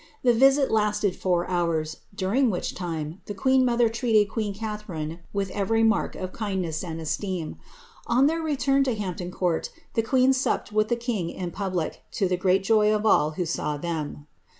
The visit lasted four hours, during which time the queen mother treated queen Catharine with every mark of kindness and esteem. On their return to Hampton Court the queen supped with the king in poUic, to the great joy of all who saw them.'"